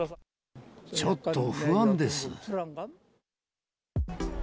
ちょっと不安です。